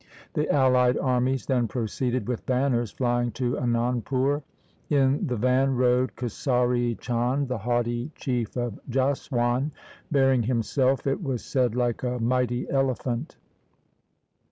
The allied armies then proceeded with banners flying to Anandpur. In the van rode Kesari Chand, LIFE OF GURU GOBIND SINGH 129 the haughty chief of Jaswan, bearing himself, it was said, like a mighty elephant.